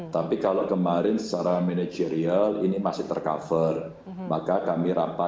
terima kasih pak dir